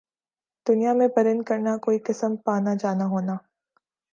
دنیا میں پرند کرنا کوئی قسم پانا جانا ہونا